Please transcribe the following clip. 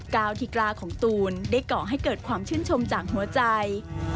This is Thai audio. ก้าวที่กล้าของตูนได้ก่อให้เกิดความชื่นชมจากหัวใจ